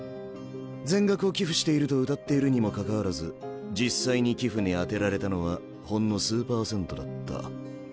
全額を寄付しているとうたっているにもかかわらず実際に寄付に充てられたのはほんの数％だった。